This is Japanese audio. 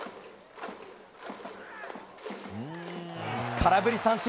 空振り三振。